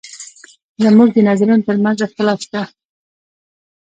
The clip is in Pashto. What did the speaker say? زموږ د نظرونو تر منځ اختلاف شته.